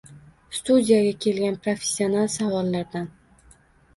Studiyaga kelgan professional savollardan: